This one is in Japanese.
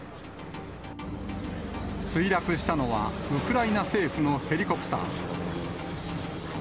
墜落したのは、ウクライナ政府のヘリコプター。